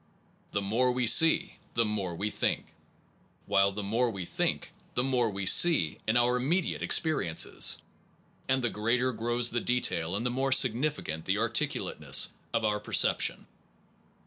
The more we see, the more we think; while the more we think, the more we see in our immediate experiences, and the greater grows the detail and the more significant the 108 PERCEPT AND CONCEPT articulateness of our perception.